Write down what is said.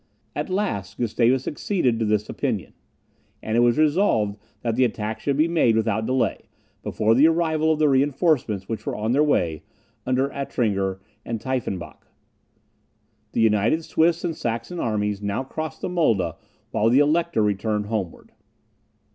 At last Gustavus acceded to his opinion; and it was resolved that the attack should be made without delay, before the arrival of the reinforcements, which were on their way, under Altringer and Tiefenbach. The united Swedish and Saxon armies now crossed the Mulda, while the Elector returned homeward.